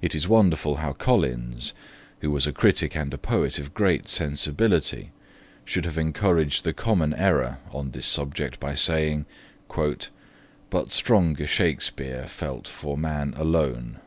It is wonderful how Collins, who was a critic and a poet of great sensibility, should have encouraged the common error on this subject by saying 'But stronger Shakespeare felt for man alone'.